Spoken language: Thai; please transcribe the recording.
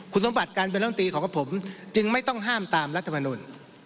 คุณสมบัติการเป็นลำตีของกับผมจึงไม่ต้องห้ามตามรัฐมนุน